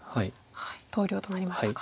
投了となりましたか。